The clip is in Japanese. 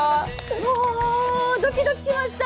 もうドキドキしました。